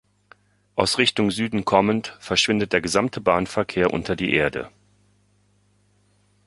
Aus Richtung Süden kommend verschwindet der gesamte Bahnverkehr unter die Erde.